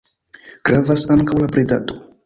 Gravas ankaŭ la bredado.